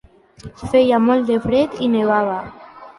Feia molt de fred i nevava.